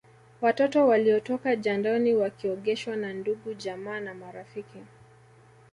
Watoto waliotoka jandoni wakiogeshwa na ndugujamaa na marafiki